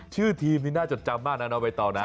ชื่อทีมนี่น่าจดจำมากนะเอาไปต่อนะ